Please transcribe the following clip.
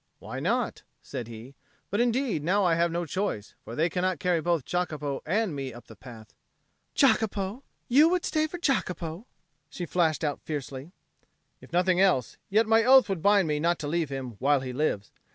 "Why not?" said he. "But indeed now I have no choice. For they cannot carry both Jacopo and me up the path." "Jacopo! You would stay for Jacopo?" she flashed out fiercely. "If nothing else, yet my oath would bind me not to leave him while he lives.